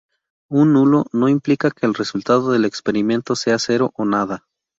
Un "nulo" no implica que el resultado del experimento sea cero, o nada.